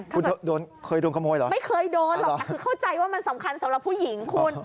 คนนั้นคือเข้าใจว่ามันสำคัญสำหรับผู้หญิงคุณ